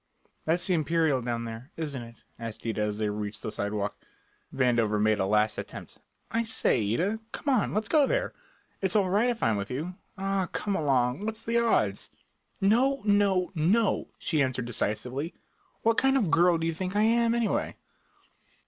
"That's the Imperial down there, isn't it?" asked Ida as they reached the sidewalk. Vandover made a last attempt: "I say, Ida, come on, let's go there. It's all right if I'm with you. Ah, come along; what's the odds?" "No no NO," she answered decisively. "What kind of a girl do you think I am, anyway?"